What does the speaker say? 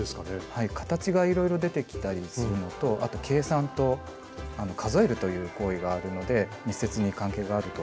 はい形がいろいろ出てきたりするのとあと計算と数えるという行為があるので密接に関係があると思ってます。